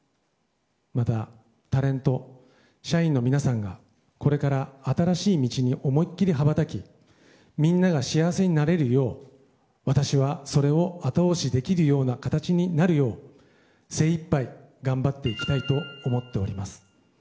また、タレント、社員の皆さんがこれから新しい道に思いきり羽ばたきみんなが幸せになれるよう私は、それを後押しできるような形になるよう精いっぱい頑張っていきたいと思っております。